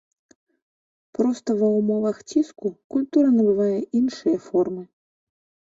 Проста ва ўмовах ціску культура набывае іншыя формы.